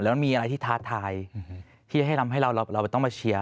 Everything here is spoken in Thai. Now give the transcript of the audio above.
แล้วมันมีอะไรที่ท้าทายที่ให้ทำให้เราต้องมาเชียร์